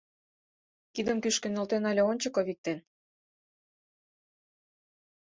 Кидым кӱшкӧ нӧлтен але ончыко виктен?